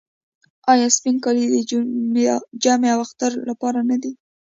آیا سپین کالي د جمعې او اختر لپاره نه دي؟